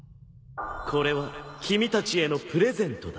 これは君たちへのプレゼントだ